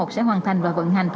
để có tinh thần